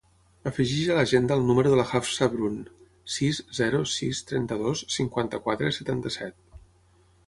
Afegeix a l'agenda el número de la Hafsa Brun: sis, zero, sis, trenta-dos, cinquanta-quatre, setanta-set.